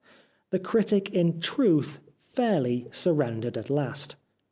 The critic in Truth fairly surrendered at last.